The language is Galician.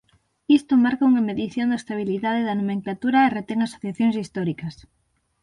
Isto marca unha medición da estabilidade da nomenclatura e retén asociacións históricas.